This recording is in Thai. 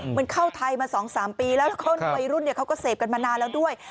มันเข้าไทยมา๒๓ปีแล้ววัยรุ่นเขาก็เสพกันมานานแล้วด้วย